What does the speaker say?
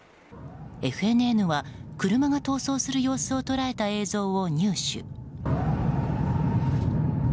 ＦＮＮは、車が逃走する様子を捉えた映像を入手。